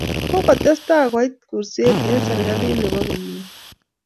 Kokotestai koit chorsee eng serikalit ne bo kenyii ni.